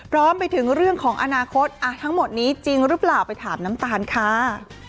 รวมไปถึงเรื่องของอนาคตทั้งหมดนี้จริงหรือเปล่าไปถามน้ำตาลค่ะ